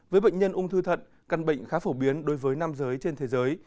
với bệnh nhân ung thư thận căn bệnh khá phổ biến đối với nam giới trên thế giới